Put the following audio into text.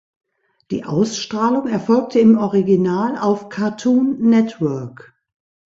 Die Ausstrahlung erfolgte im Original auf Cartoon Network.